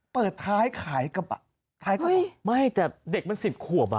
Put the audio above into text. เปิดท้ายขายกระบะท้ายก็ไม่แต่เด็กมันสิบขวบอ่ะ